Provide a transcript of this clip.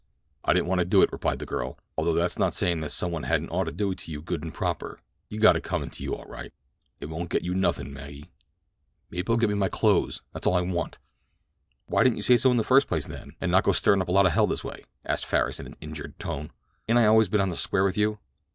"I didn't want to do it," replied the girl; "though that's not sayin' that some one hadn't ought to do it to you good an' proper—you got it comin' to you, all right." "It won't get you nothin', Maggie." "Maybe it'll get me my clothes—that's all I want." "Why didn't you say so in the first place, then, and not go stirrin' up a lot of hell this way?" asked Farris in an injured tone. "Ain't I always been on the square with you?"